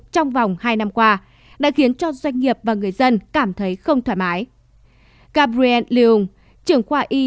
trong vòng hai năm qua đã khiến cho doanh nghiệp và người dân cảm thấy không thoải mái